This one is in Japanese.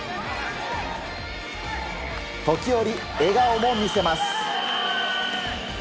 時折、笑顔も見せます。